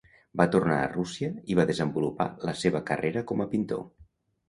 Va tornar a Rússia i va desenvolupar la seva carrera com a pintor.